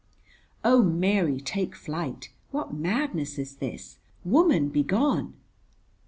Oh, Mary, take flight. What madness is this? Woman, be gone.